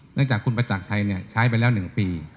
เนื่องจากคุณประจักรชัยเนี่ยใช้ไปแล้ว๑ปี